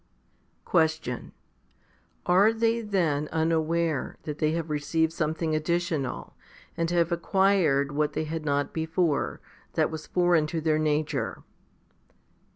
5. Question. Are they then unaware that they have received something additional, and have acquired what they had not before, that was foreign to their nature